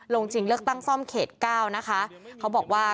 ลงชิงเลือกตั้งซ่อมเขต๙ภักดิ์